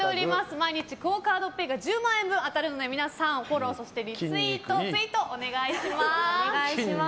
毎日ＱＵＯカードＰａｙが１０万円分が当たるので皆さんフォロー、リツイートをお願いします。